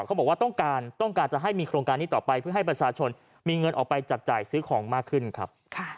เขาบอกว่าต้องการต้องการจะให้มีโครงการนี้ต่อไปเพื่อให้ประชาชนมีเงินออกไปจับจ่ายซื้อของมากขึ้นครับ